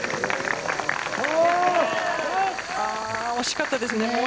惜しかったですね。